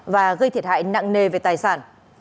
và gây thiệt hại nặng nề về tài sản